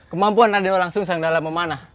kemampuan raden walang suncak dalam memanah